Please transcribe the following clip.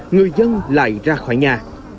người dân lại ra khỏi nhà